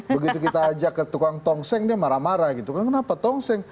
begitu kita ajak ke tukang tongseng dia marah marah gitu kan kenapa tongseng